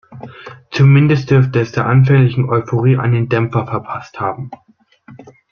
Zumindest dürfte es der anfänglichen Euphorie einen Dämpfer verpasst haben.